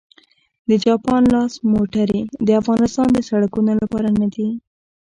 د جاپان لاس موټرې د افغانستان د سړکونو لپاره نه دي